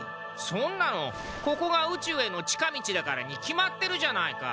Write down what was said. そんなのここが宇宙への近道だからに決まってるじゃないか。